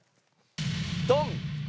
ドン！